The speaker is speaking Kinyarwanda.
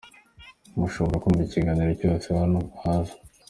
Mushobora kumva ikiganiro cyose hano hasi: